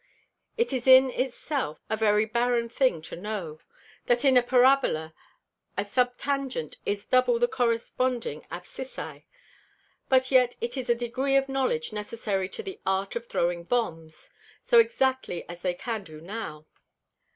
It is in it self a very barren thing to know, that in a Parabola a Subtangant is double the corresponding Abscissæ; but yet it is a Degree of Knowledge necessary to the Art of throwing Bombs, so exactly as they can do now.